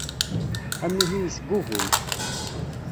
Amihi yesgugum.